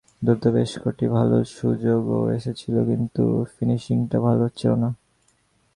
দ্রুত বেশ কটি ভালো সুযোগও এসেছিল, কিন্তু ফিনিশিংটা ভালো হচ্ছিল না।